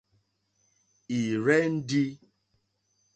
Ì rzɛ́ndī.